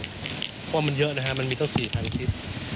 เพราะว่ามันเยอะนะครับมันมีเท่าสี่ทางคลิป